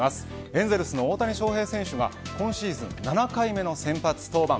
エンゼルスの大谷翔平選手が今シーズン７回目の先発登板。